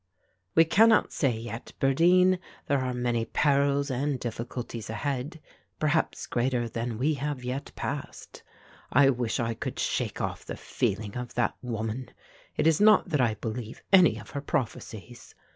"We cannot say yet, birdeen, there are many perils and difficulties ahead, perhaps greater than we have yet passed. I wish I could shake off the feeling of that woman. It is not that I believe any of her prophecies.